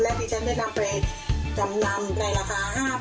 ที่ฉันได้นำไปจำนำในราคา๕๐๐บาท